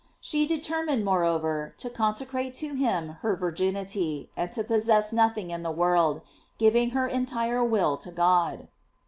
* She determined, moreover, to con secrate to him her virginity, and to possess nothing in the world, giving her entire will to God.